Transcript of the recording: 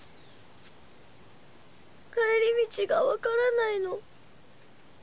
帰り道が分からないの。